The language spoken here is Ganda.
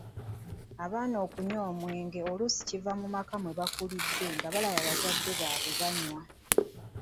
Abaana okunywa omwenge oluusi kiva mu maka mwe bakulidde nga balaba bazadde baabwe banywa.